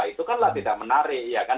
itu kan lah tidak menarik ya kan